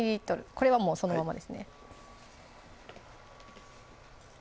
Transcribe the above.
これはもうそのままですね